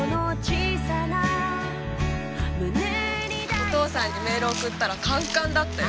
お父さんにメール送ったらカンカンだったよ。